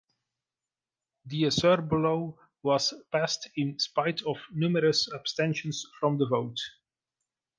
The Acerbo Law was passed in spite of numerous abstentions from the vote.